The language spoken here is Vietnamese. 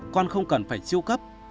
con không cần phải chiêu cấp